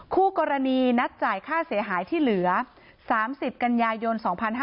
คู่กรณีนัดจ่ายค่าเสียหายที่เหลือ๓๐กันยายน๒๕๕๙